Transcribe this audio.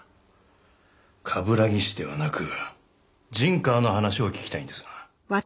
冠城氏ではなく陣川の話を聞きたいんですが。